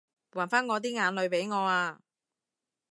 還返我啲眼淚畀我啊